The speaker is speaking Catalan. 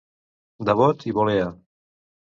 De bot i volea.